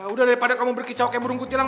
udah daripada kamu berkicau kayak burung kutilang